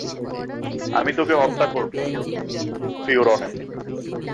আমি তোকে হত্যা করবো, ফিওরনের।